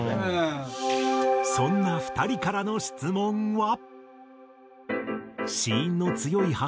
そんな２人からの質問は。